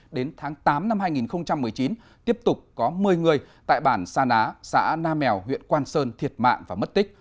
đến tháng tám năm hai nghìn một mươi chín tiếp tục có một mươi người tại bản sa ná xã nam mèo huyện quang sơn thiệt mạng và mất tích